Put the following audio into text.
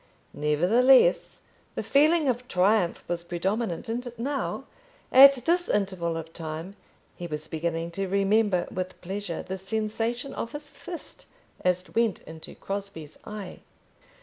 Nevertheless, the feeling of triumph was predominant; and now, at this interval of time, he was beginning to remember with pleasure the sensation of his fist as it went into Crosbie's eye.